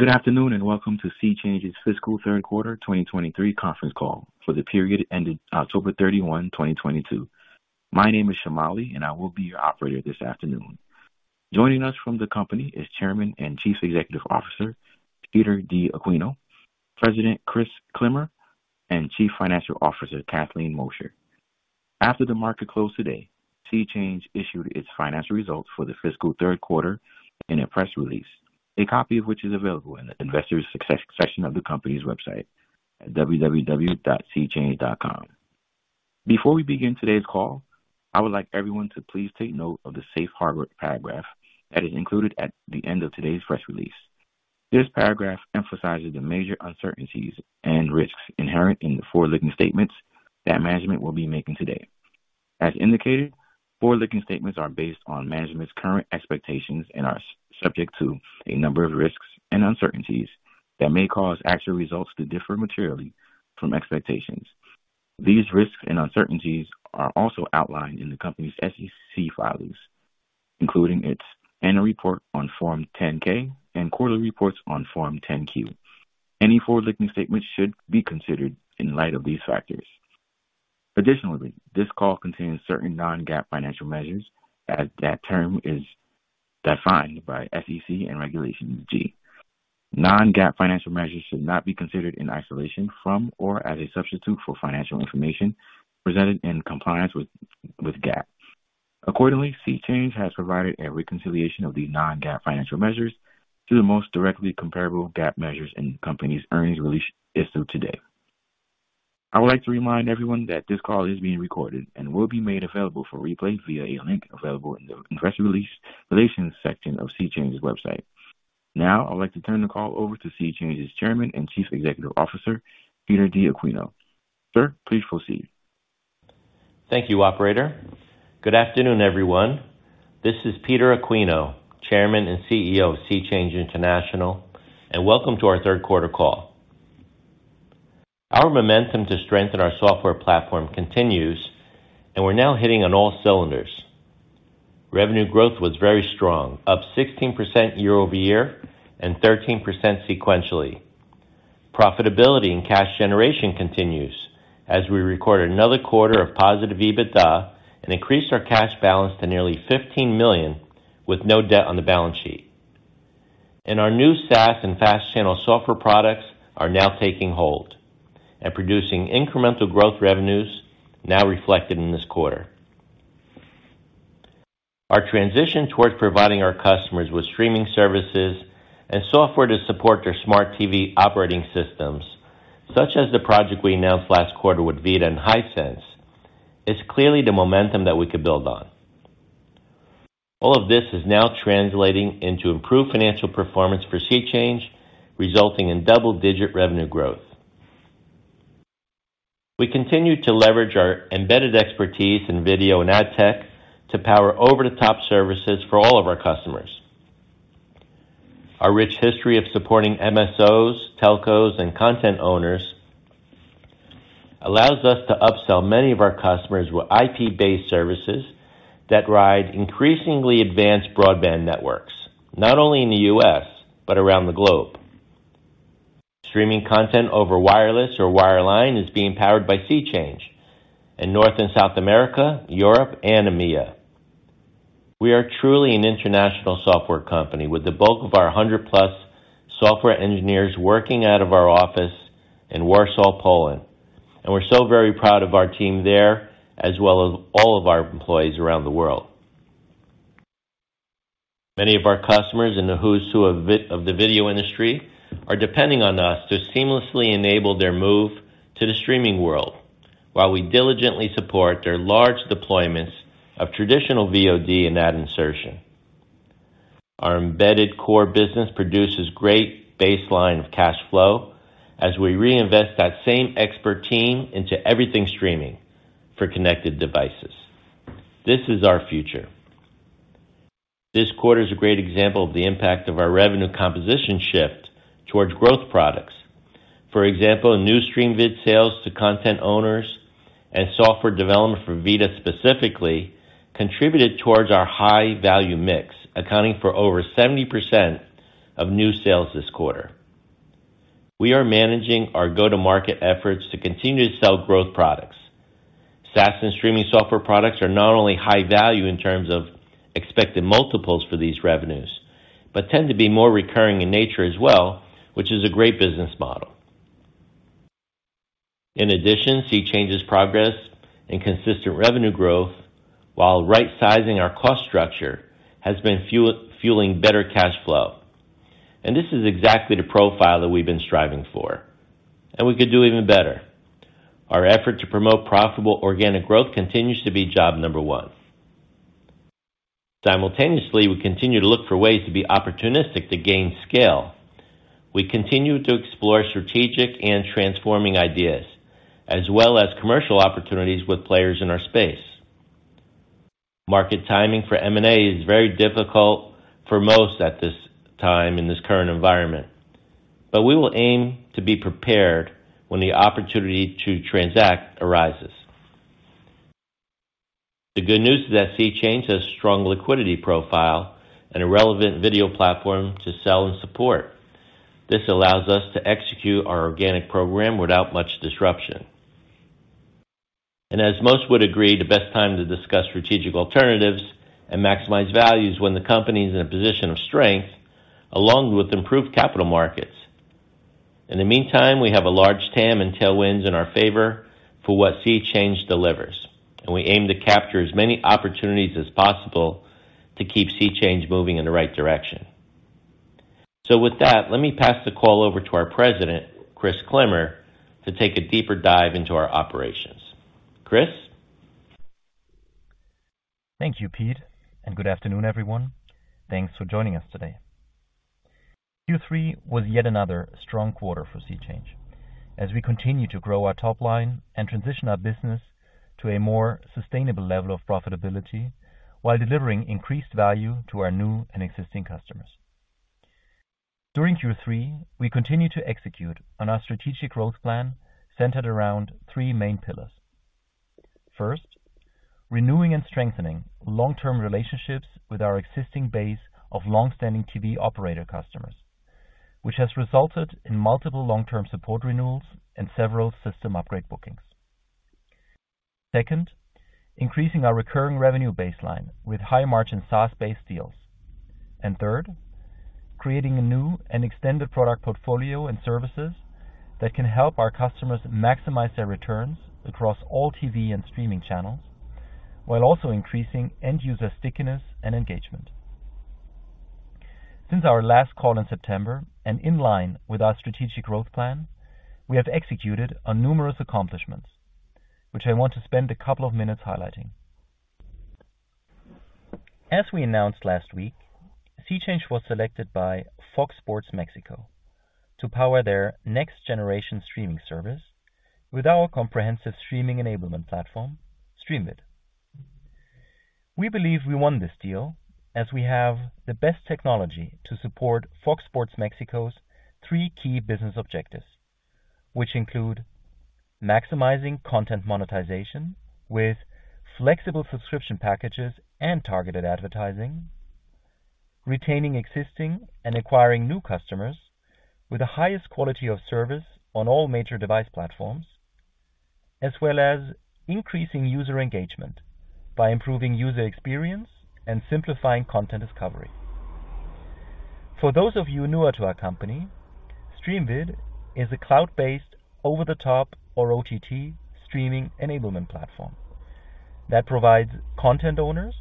Good afternoon, welcome to SeaChange's fiscal third quarter 2023 conference call for the period ending October 31, 2022. My name is Shamali, I will be your operator this afternoon. Joining us from the company is Chairman and Chief Executive Officer, Peter D. Aquino, President Chris Klimmer, and Chief Financial Officer Kathleen Mosher. After the market closed today, SeaChange issued its financial results for the fiscal third quarter in a press release, a copy of which is available in the Investors Success section of the company's website at www.seachange.com. Before we begin today's call, I would like everyone to please take note of the safe harbor paragraph that is included at the end of today's press release. This paragraph emphasizes the major uncertainties and risks inherent in the forward-looking statements that management will be making today. As indicated, forward-looking statements are based on management's current expectations and are subject to a number of risks and uncertainties that may cause actual results to differ materially from expectations. These risks and uncertainties are also outlined in the company's SEC filings, including its annual report on Form 10-K and quarterly reports on Form 10-Q. Any forward-looking statements should be considered in light of these factors. Additionally, this call contains certain non-GAAP financial measures as that term is defined by SEC and Regulation G. Non-GAAP financial measures should not be considered in isolation from or as a substitute for financial information presented in compliance with GAAP. Accordingly, SeaChange has provided a reconciliation of the non-GAAP financial measures to the most directly comparable GAAP measures in the company's earnings release issued today. I would like to remind everyone that this call is being recorded and will be made available for replay via a link available in the investor relations section of SeaChange's website. I'd like to turn the call over to SeaChange's Chairman and Chief Executive Officer, Peter D. Aquino. Sir, please proceed. Thank you, operator. Good afternoon, everyone. This is Peter D. Aquino, Chairman and CEO of SeaChange International. Welcome to our third quarter call. Our momentum to strengthen our software platform continues. We're now hitting on all cylinders. Revenue growth was very strong, up 16% year-over-year and 13% sequentially. Profitability and cash generation continue as we record another quarter of positive EBITDA and increase our cash balance to nearly $15 million with no debt on the balance sheet. Our new SaaS and FAST channel software products are now taking hold and producing incremental growth revenues now reflected in this quarter. Our transition towards providing our customers with streaming services and software to support their smart TV operating systems, such as the project we announced last quarter with VIDAA and Hisense, is clearly the momentum that we could build on. All of this is now translating into improved financial performance for SeaChange, resulting in double-digit revenue growth. We continue to leverage our embedded expertise in video and ad tech to power over-the-top services for all of our customers. Our rich history of supporting MSOs, telcos, and content owners allows us to upsell many of our customers with IP-based services that ride increasingly advanced broadband networks, not only in the U.S., but around the globe. Streaming content over wireless or wireline is being powered by SeaChange in North and South America, Europe, and EMEA. We are truly an international software company with the bulk of our 100-plus software engineers working out of our office in Warsaw, Poland. We're so very proud of our team there, as well as all of our employees around the world. Many of our customers in the who's who of the video industry are depending on us to seamlessly enable their move to the streaming world while we diligently support their large deployments of traditional VOD and ad insertion. Our embedded core business produces a great baseline of cash flow as we reinvest that same expert team into everything streaming for connected devices. This is our future. This quarter is a great example of the impact of our revenue composition shift towards growth products. For example, new StreamVid sales to content owners and software development for VIDAA specifically contributed towards our high value mix, accounting for over 70% of new sales this quarter. We are managing our go-to-market efforts to continue to sell growth products. SaaS and streaming software products are not only high value in terms of expected multiples for these revenues, but tend to be more recurring in nature as well, which is a great business model. In addition, SeaChange's progress and consistent revenue growth, while right-sizing our cost structure, has been fueling better cash flow. This is exactly the profile that we've been striving for, and we could do even better. Our effort to promote profitable organic growth continues to be job number one. Simultaneously, we continue to look for ways to be opportunistic to gain scale. We continue to explore strategic and transforming ideas as well as commercial opportunities with players in our space. Market timing for M&A is very difficult for most at this time in the current environment. We will aim to be prepared when the opportunity to transact arises. The good news is that SeaChange has a strong liquidity profile and a relevant video platform to sell and support. This allows us to execute our organic program without much disruption. As most would agree, the best time to discuss strategic alternatives and maximize value is when the company is in a position of strength, along with improved capital markets. In the meantime, we have a large TAM and tailwinds in our favor for what SeaChange delivers, and we aim to capture as many opportunities as possible to keep SeaChange moving in the right direction. With that, let me pass the call over to our President, Chris Klimmer, to take a deeper dive into our operations. Chris? Thank you, Pete, and good afternoon, everyone. Thanks for joining us today. Q3 was yet another strong quarter for SeaChange as we continue to grow our top line and transition our business to a more sustainable level of profitability while delivering increased value to our new and existing customers. During Q3, we continued to execute on our strategic growth plan centered around three main pillars. First, renewing and strengthening long-term relationships with our existing base of long-standing TV operator customers, which has resulted in multiple long-term support renewals and several system upgrade bookings. Second, increasing our recurring revenue baseline with high-margin SaaS-based deals. Third, creating a new and extended product portfolio and services that can help our customers maximize their returns across all TV and streaming channels while also increasing end-user stickiness and engagement. Since our last call in September and in line with our strategic growth plan, we have executed on numerous accomplishments, which I want to spend a couple of minutes highlighting. As we announced last week, SeaChange was selected by FOX Sports Mexico to power their next-generation streaming service with our comprehensive streaming enablement platform, StreamVid. We believe we won this deal as we have the best technology to support FOX Sports Mexico's three key business objectives, which include maximizing content monetization with flexible subscription packages and targeted advertising, retaining existing and acquiring new customers with the highest quality of service on all major device platforms, and increasing user engagement by improving user experience and simplifying content discovery. For those of you newer to our company, StreamVid is a cloud-based over-the-top or OTT streaming enablement platform that provides content owners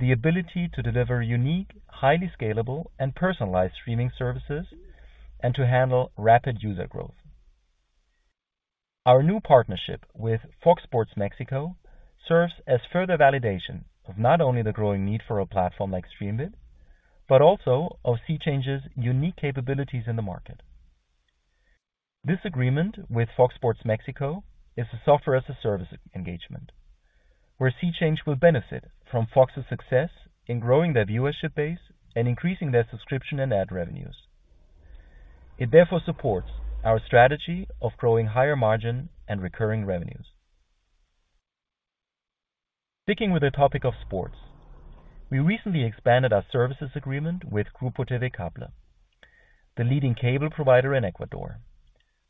the ability to deliver unique, highly scalable and personalized streaming services and to handle rapid user growth. Our new partnership with FOX Sports Mexico serves as further validation of not only the growing need for a platform like StreamVid, but also of SeaChange's unique capabilities in the market. This agreement with FOX Sports Mexico is a software-as-a-service engagement, where SeaChange will benefit from FOX's success in growing their viewership base and increasing their subscription and ad revenues. It therefore supports our strategy of growing higher margin and recurring revenues. Sticking with the topic of sports, we recently expanded our services agreement with Grupo TVCable, the leading cable provider in Ecuador,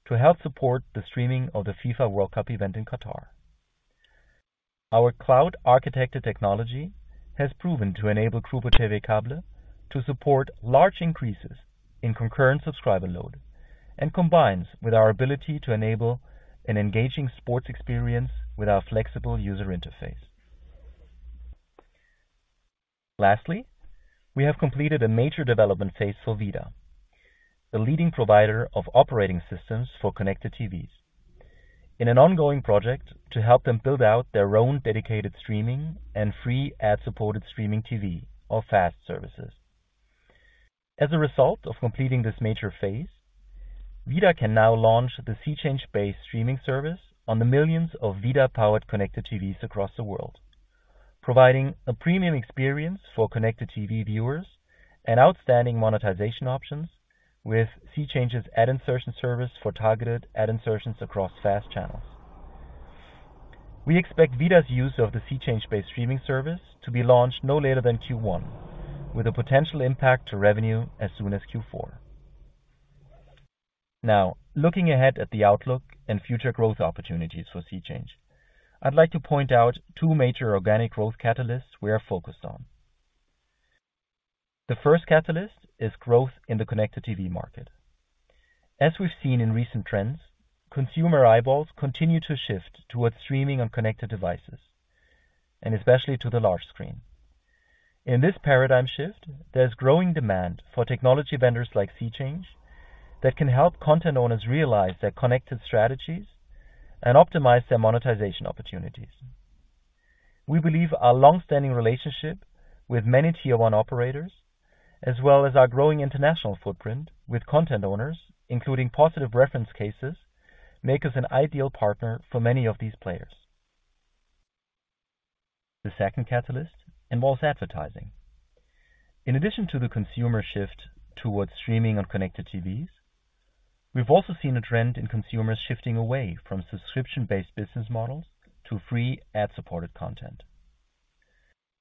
to help support the streaming of the FIFA World Cup event in Qatar. Our cloud-architected technology has proven to enable Grupo TVCable to support large increases in concurrent subscriber load, and it combines with our ability to enable an engaging sports experience with our flexible user interface. Lastly, we have completed a major development phase for VIDAA, the leading provider of operating systems for connected TVs, in an ongoing project to help them build out their own dedicated streaming and free ad-supported streaming TV or FAST services. As a result of completing this major phase, VIDAA can now launch the SeaChange-based streaming service on the millions of VIDAA-powered connected TVs across the world, providing a premium experience for connected TV viewers and outstanding monetization options with SeaChange's ad insertion service for targeted ad insertions across FAST channels. We expect VIDAA's use of the SeaChange-based streaming service to be launched no later than Q1, with a potential impact on revenue as soon as Q4. Now, looking ahead at the outlook and future growth opportunities for SeaChange, I'd like to point out two major organic growth catalysts we are focused on. The first catalyst is growth in the connected TV market. As we've seen in recent trends, consumer eyeballs continue to shift towards streaming on connected devices, and especially to the large screen. In this paradigm shift, there's growing demand for technology vendors like SeaChange that can help content owners realize their connected strategies and optimize their monetization opportunities. We believe our long-standing relationship with many tier one operators, as well as our growing international footprint with content owners, including positive reference cases, makes us an ideal partner for many of these players. The second catalyst involves advertising. In addition to the consumer shift towards streaming on connected TVs, we've also seen a trend in consumers shifting away from subscription-based business models to free ad-supported content.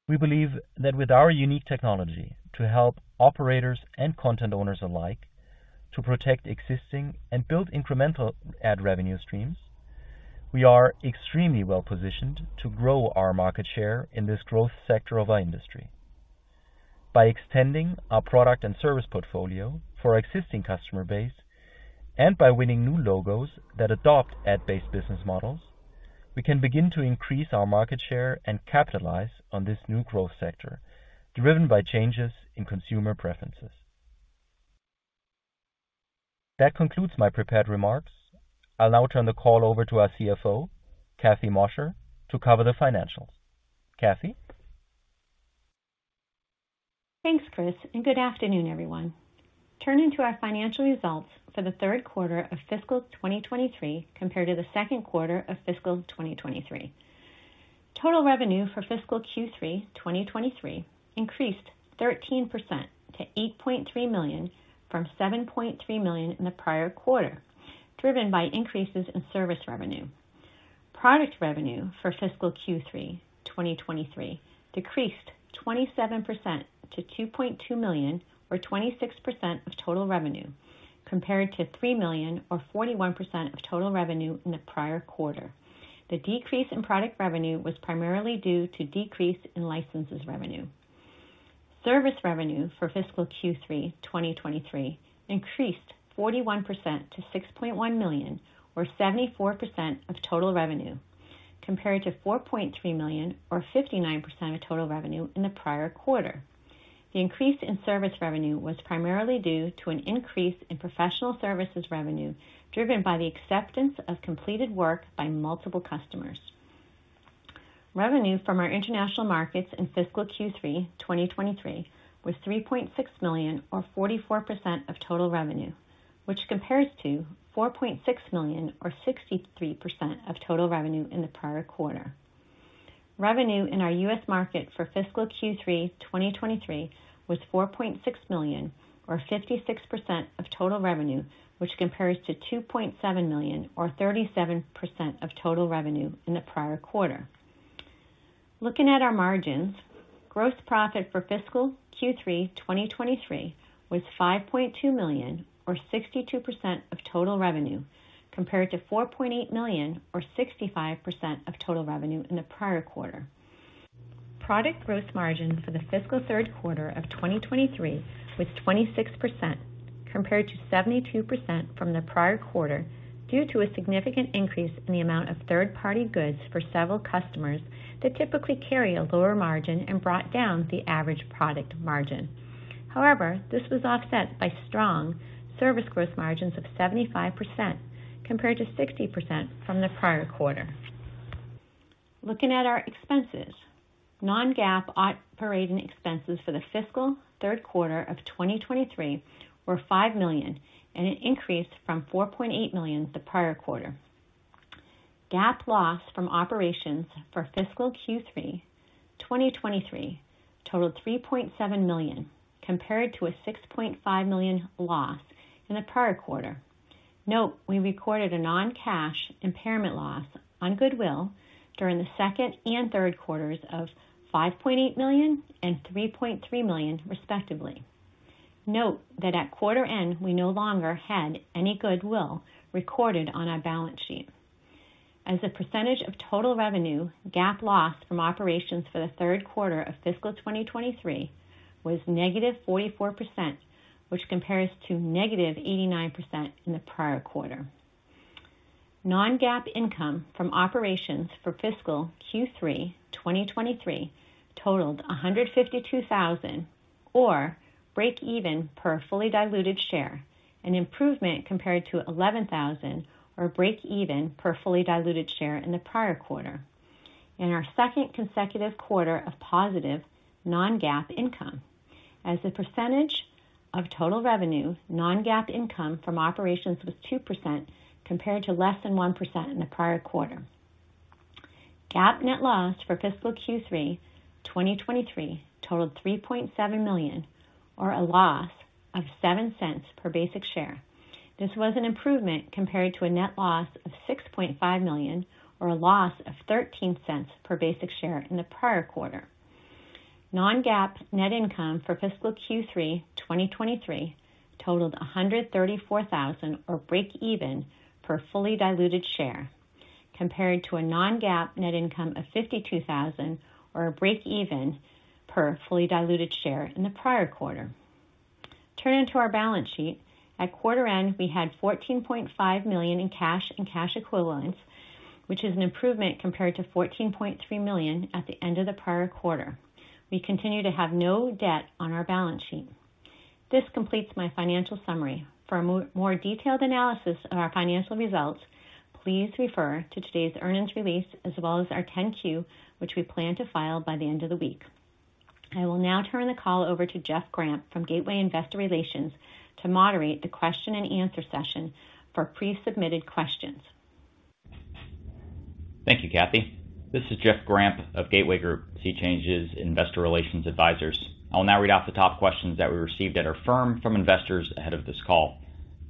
We believe that with our unique technology to help operators and content owners alike to protect existing and build incremental ad revenue streams, we are extremely well-positioned to grow our market share in this growth sector of our industry. By extending our product and service portfolio for our existing customer base and by winning new logos that adopt ad-based business models, we can begin to increase our market share and capitalize on this new growth sector driven by changes in consumer preferences. That concludes my prepared remarks. I'll now turn the call over to our CFO, Kathy Mosher, to cover the financials. Kathy? Thanks, Chris, and good afternoon, everyone. Turning to our financial results for the third quarter of fiscal 2023, compared to the second quarter of fiscal 2023. Total revenue for fiscal Q3 2023 increased 13% to $8.3 million from $7.3 million in the prior quarter, driven by increases in service revenue. Product revenue for fiscal Q3 2023 decreased 27% to $2.2 million or 26% of total revenue, compared to $3 million or 41% of total revenue in the prior quarter. The decrease in product revenue was primarily due to a decrease in license revenue. Service revenue for fiscal Q3 2023 increased 41% to $6.1 million or 74% of total revenue, compared to $4.3 million or 59% of total revenue in the prior quarter. The increase in service revenue was primarily due to an increase in professional services revenue driven by the acceptance of completed work by multiple customers. Revenue from our international markets in fiscal Q3 2023 was $3.6 million or 44% of total revenue, which compares to $4.6 million or 63% of total revenue in the prior quarter. Revenue in our U.S. market for fiscal Q3 2023 was $4.6 million or 56% of total revenue, which compares to $2.7 million or 37% of total revenue in the prior quarter. Looking at our margins. Gross profit for fiscal Q3 2023 was $5.2 million or 62% of total revenue, compared to $4.8 million or 65% of total revenue in the prior quarter. Product gross margin for the fiscal third quarter of 2023 was 26% compared to 72% from the prior quarter due to a significant increase in the amount of third-party goods for several customers that typically carry a lower margin and brought down the average product margin. However, this was offset by strong service gross margins of 75% compared to 60% from the prior quarter. Looking at our expenses. Non-GAAP operating expenses for the fiscal third quarter of 2023 were $5 million, an increase from $4.8 million in the prior quarter. GAAP loss from operations for fiscal Q3 2023 totaled $3.7 million, compared to a $6.5 million loss in the prior quarter. Note, we recorded a non-cash impairment loss on goodwill during the second and third quarters of $5.8 million and $3.3 million, respectively. Note that at quarter's end, we no longer had any goodwill recorded on our balance sheet. As a percentage of total revenue, GAAP loss from operations for the third quarter of fiscal 2023 was -44%, which compares to -89% in the prior quarter. Non-GAAP income from operations for fiscal Q3 2023 totaled $152,000 or breakeven per fully diluted share, an improvement compared to $11,000 or breakeven per fully diluted share in the prior quarter. In our second consecutive quarter of positive non-GAAP income. As a percentage of total revenue, non-GAAP income from operations was 2% compared to less than 1% in the prior quarter. GAAP net loss for fiscal Q3 2023 totaled $3.7 million or a loss of $0.07 per basic share. This was an improvement compared to a net loss of $6.5 million or a loss of $0.13 per basic share in the prior quarter. Non-GAAP net income for fiscal Q3 2023 totaled $134,000 or breakeven per fully diluted share, compared to a non-GAAP net income of $52,000 or a breakeven per fully diluted share in the prior quarter. Turning to our balance sheet. At quarter end, we had $14.5 million in cash and cash equivalents, which is an improvement compared to $14.3 million at the end of the prior quarter. We continue to have no debt on our balance sheet. This completes my financial summary. For a more detailed analysis of our financial results, please refer to today's earnings release as well as our 10-Q, which we plan to file by the end of the week. I will now turn the call over to Jeff Grampp from Gateway Investor Relations to moderate the question-and-answer session for pre-submitted questions. Thank you, Kathy. This is Jeff Grampp of Gateway Group, SeaChange's investor relations advisors. I will now read out the top questions that we received at our firm from investors ahead of this call.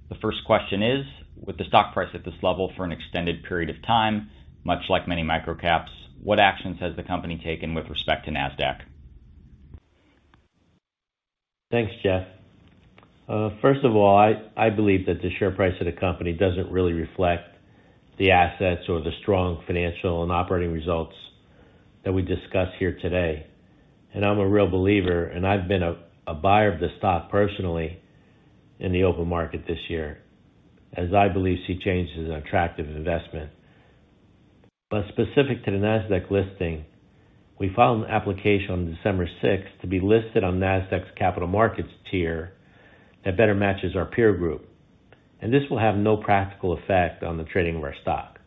The first question is, with the stock price at this level for an extended period of time, much like many microcaps, what actions has the company taken with respect to Nasdaq? Thanks, Jeff. First of all, I believe that the share price of the company doesn't really reflect the assets or the strong financial and operating results that we discussed here today. I'm a real believer, and I've been a buyer of the stock personally in the open market this year as I believe SeaChange is an attractive investment. Specific to the Nasdaq listing, we filed an application on December 6 to be listed on Nasdaq's capital markets tier that better matches our peer group. This will have no practical effect on the trading of our stock.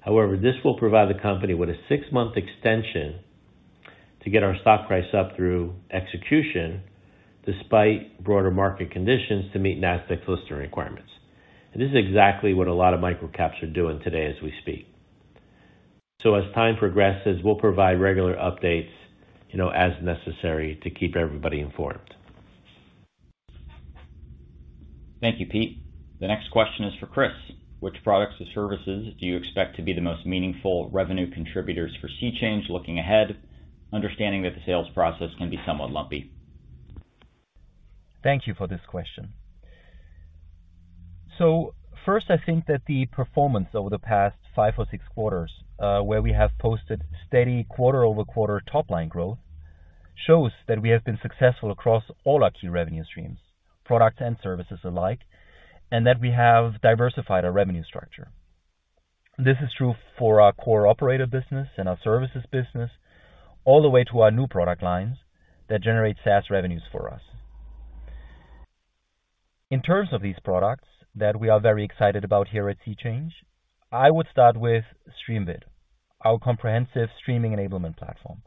However, this will provide the company with a six-month extension to get our stock price up through execution despite broader market conditions to meet Nasdaq's listing requirements. This is exactly what a lot of microcaps are doing today as we speak. As time progresses, we'll provide regular updates, you know, as necessary to keep everybody informed. Thank you, Pete. The next question is for Chris: Which products or services do you expect to be the most meaningful revenue contributors for SeaChange looking ahead, understanding that the sales process can be somewhat lumpy? Thank you for this question. First, I think that the performance over the past five or six quarters, where we have posted steady quarter-over-quarter top-line growth, shows that we have been successful across all our key revenue streams, products and services alike, and that we have diversified our revenue structure. This is true for our core operator business and our services business, all the way to our new product lines that generate SaaS revenues for us. In terms of these products that we are very excited about here at SeaChange, I would start with StreamVid, our comprehensive streaming enablement platform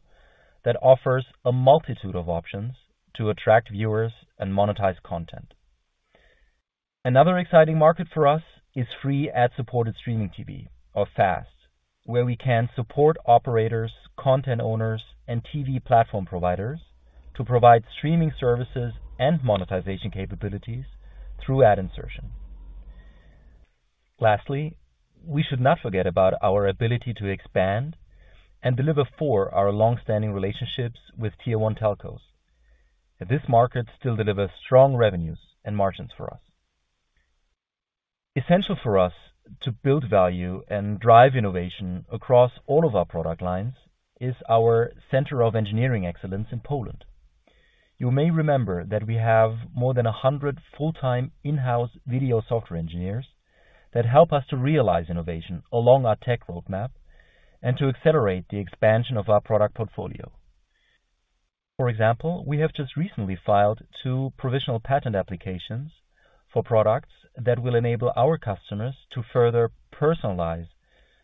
that offers a multitude of options to attract viewers and monetize content. Another exciting market for us is free ad-supported streaming TV or FAST, where we can support operators, content owners, and TV platform providers to provide streaming services and monetization capabilities through ad insertion. Lastly, we should not forget about our ability to expand and deliver for our long-standing relationships with tier 1 telcos. This market still delivers strong revenues and margins for us. Essential for us to build value and drive innovation across all of our product lines is our center of engineering excellence in Poland. You may remember that we have more than 100 full-time in-house video software engineers who help us to realize innovation along our tech roadmap and to accelerate the expansion of our product portfolio. For example, we have just recently filed 2 provisional patent applications for products that will enable our customers to further personalize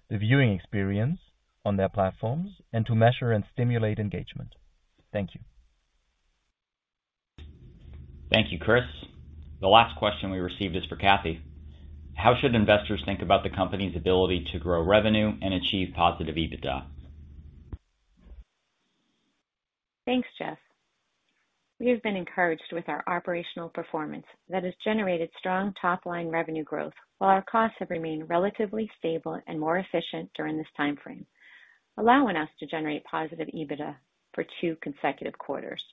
the viewing experience on their platforms and to measure and stimulate engagement. Thank you. Thank you, Chris. The last question we received is for Kathy. How should investors think about the company's ability to grow revenue and achieve positive EBITDA? Thanks, Jeff. We have been encouraged by our operational performance that has generated strong top-line revenue growth while our costs have remained relatively stable and more efficient during this timeframe, allowing us to generate positive EBITDA for 2 consecutive quarters.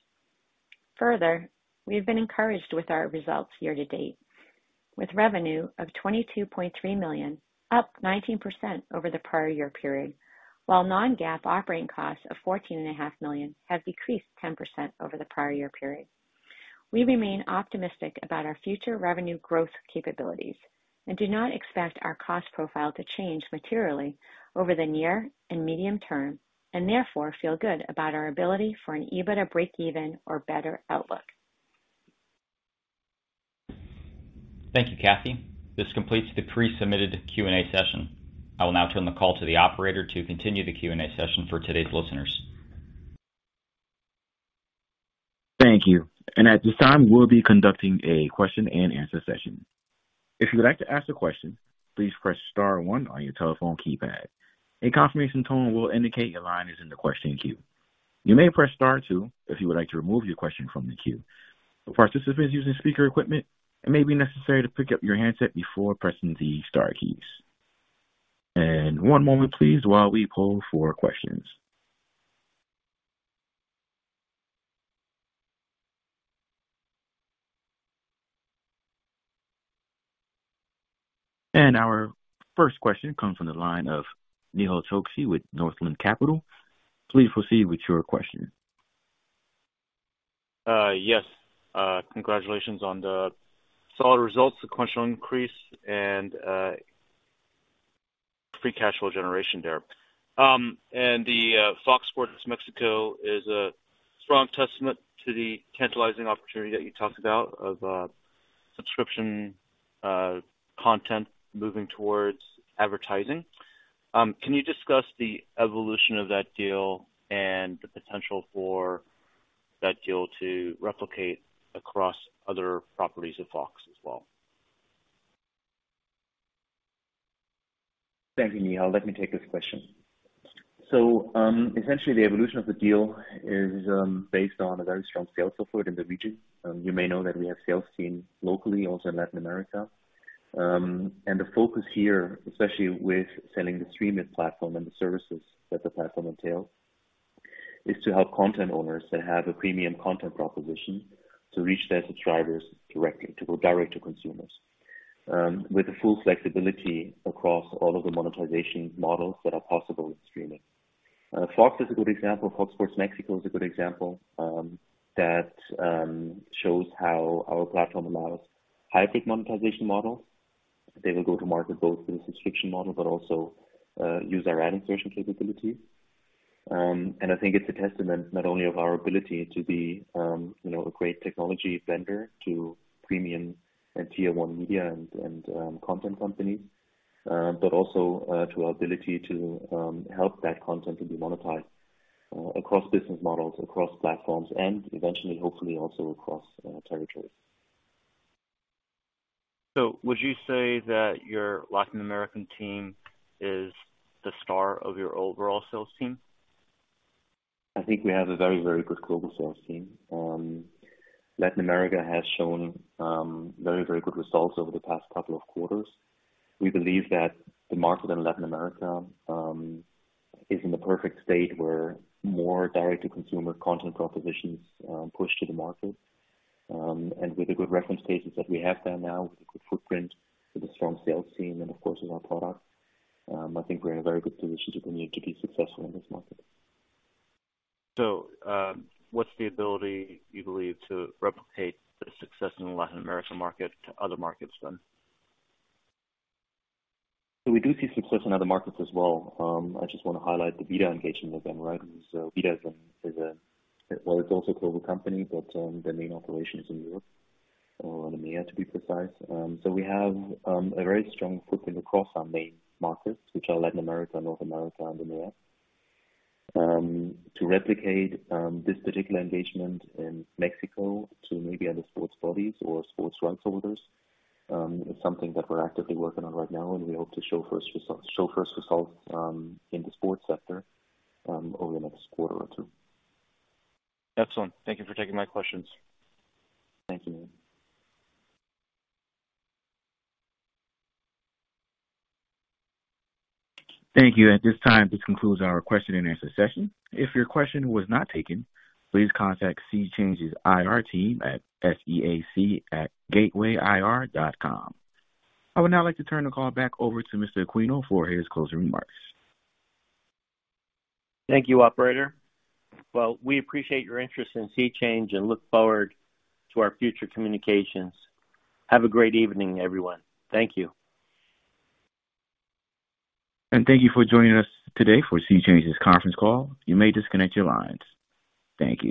We've been encouraged with our results year-to-date, with revenue of $22.3 million, up 19% over the prior year period, while non-GAAP operating costs of $14.5 million have decreased 10% over the prior year period. We remain optimistic about our future revenue growth capabilities and do not expect our cost profile to change materially over the near and medium term, and therefore feel good about our ability for an EBITDA breakeven or better outlook. Thank you, Kathy. This completes the pre-submitted Q&A session. I will now turn the call to the operator to continue the Q&A session for today's listeners. Thank you. At this time, we'll be conducting a question-and-answer session. If you would like to ask a question, please press star one on your telephone keypad. A confirmation tone will indicate your line is in the question queue. You may press star two if you would like to remove your question from the queue. For participants using speaker equipment, it may be necessary to pick up your handset before pressing the star keys. One moment please, while we poll for questions. Our first question comes from the line of Nehal Chokshi with Northland Capital Markets. Please proceed with your question. Yes. Congratulations on the solid results, sequential increase and free cash flow generation there. The FOX Sports Mexico is a strong testament to the tantalizing opportunity that you talked about of subscription content moving towards advertising. Can you discuss the evolution of that deal and the potential for that deal to replicate across other properties of Fox as well? Thank you, Nehal. Let me take this question. Essentially, the evolution of the deal is based on a very strong sales support in the region. You may know that we have a sales team locally, also in Latin America. The focus here, especially with selling the streaming platform and the services that the platform entails, is to help content owners who have a premium content proposition to reach their subscribers directly, to go direct to consumers, with the full flexibility across all of the monetization models that are possible with streaming. FOX Sports Mexico is a good example; that shows how our platform allows high-tech monetization models. They will go to market both in the subscription model, but also use our ad insertion capabilities. I think it's a testament not only of our ability to be, you know, a great technology vendor to premium and tier one media and content companies, but also to our ability to help that content to be monetized, across business models, across platforms, and eventually, hopefully, also across territories. Would you say that your Latin American team is the star of your overall sales team? I think we have a very, very good global sales team. Latin America has shown very, very good results over the past couple of quarters. We believe that the market in Latin America is in the perfect state for more direct-to-consumer content propositions to be pushed to the market. With the good reference cases that we have there now, with a good footprint, with a strong sales team, and of course with our product, I think we're in a very good position to continue to be successful in this market. What's the ability, you believe, to replicate the success in the Latin American market to other markets then? We do see success in other markets as well. I just wanna highlight the VIDAA engagement with them, right? VIDAA is a... Well, it's also a global company, but their main operation is in Europe or in EMEA, to be precise. We have a very strong footprint across our main markets, which are Latin America, North America, and EMEA. To replicate this particular engagement in Mexico to maybe other sports bodies or sports rights holders, is something that we're actively working on right now, and we hope to show first results in the sports sector over the next quarter or two. Excellent. Thank you for taking my questions. Thank you. Thank you. At this time, this concludes our question and answer session. If your question was not taken, please contact SeaChange's IR team at seac@gatewayir.com. I would now like to turn the call back over to Mr. Aquino for his closing remarks. Thank you, operator. Well, we appreciate your interest in SeaChange and look forward to our future communications. Have a great evening, everyone. Thank you. Thank you for joining us today for SeaChange's conference call. You may disconnect your lines. Thank you.